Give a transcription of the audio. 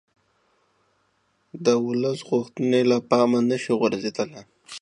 د ولس غوښتنې له پامه نه شي غورځېدلای